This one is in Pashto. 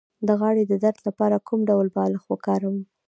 د غاړې د درد لپاره کوم ډول بالښت وکاروم؟